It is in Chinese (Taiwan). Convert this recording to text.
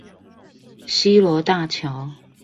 西螺大橋